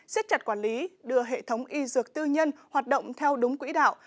xiết chặt quản lý đưa hệ thống y dược tư nhân hoạt động theo đúng quỹ đạo